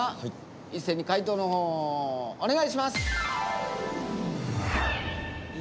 一斉に解答のほうお願いします。